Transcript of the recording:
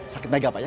sakit mega pak ya